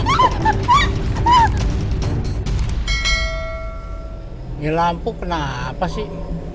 ini lampu kenapa sih